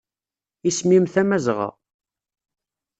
Isem-im Tamazɣa.